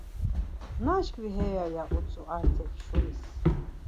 Naşkvi heya!” ya utzu Artek Şuris.